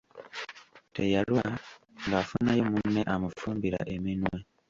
Teyalwa ng'afunayo munne amufumbira eminwe.